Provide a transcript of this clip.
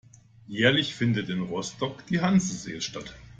Jährlich findet in Rostock die Hanse Sail statt.